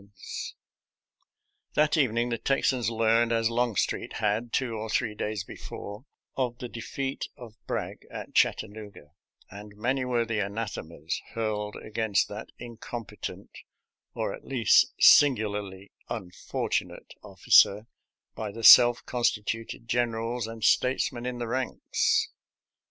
182 SOLDIER'S LETTERS TO CHARMING NELLIE That evening the Texans learned, as Long street had two or three days before, of the defeat of Bragg at Chattanooga, and many were the anathemas hurled against that incompetent, or at least singularly unfortunate, officer by the self constituted generals and statesmen in the ranks.